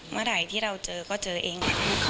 เมื่อไหร่ที่เราเจอก็เจอเอง